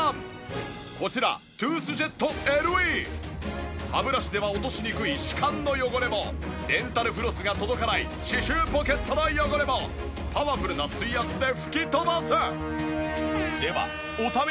こちら歯ブラシでは落としにくい歯間の汚れもデンタルフロスが届かない歯周ポケットの汚れもパワフルな水圧で吹き飛ばす！